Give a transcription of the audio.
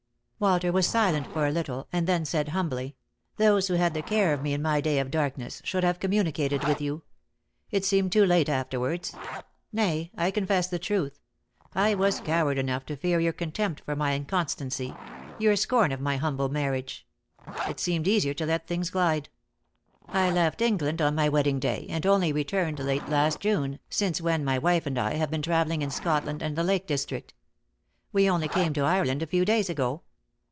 Walter was silent for a little, and then said humbly : 326 Lost for Love. "Those who had the care of me in my day of darkness should have communicated with you. It seemed too late after wards. Nay, I confess the truth. I was coward enough to fear your contempt for my inconstancy — your scorn of my humble marriage. It seemed easier to let things glide. I left England on my wedding day, and only returned late last June, since when my wife and I have been travelling in Scotland and the Lake district. We only came to Ireland a few days ago.